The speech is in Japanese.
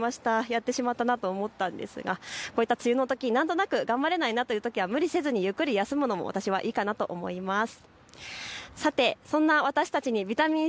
やってしまったなと思ったんですが、こういった梅雨のときなんとなく頑張れないなというときはゆっくり休むのも私はいいかと思います。